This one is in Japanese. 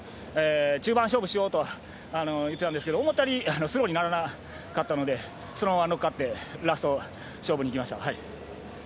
中盤、勝負しようといっていたんですけど思ったよりスローにならなかったのでそのままのっかってラスト勝負にいきました。